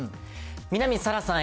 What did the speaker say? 南沙良さん